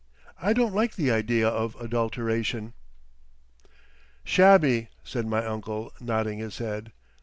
I don't like the idea of adulteration.'" "Shabby," said my uncle, nodding his head.